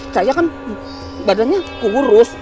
saya kan badannya kurus